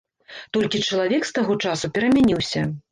Толькі чалавек з таго часу перамяніўся.